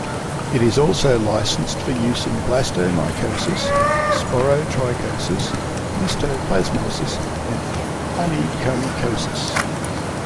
It is also licensed for use in blastomycosis, sporotrichosis, histoplasmosis, and onychomycosis.